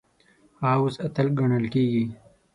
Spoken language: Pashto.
هغه اوس اتل ګڼل کیږي.